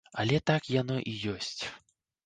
Але так яно і ёсць.